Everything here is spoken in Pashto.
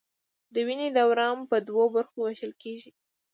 د وینې دوران په دوو برخو ویشل کېږي.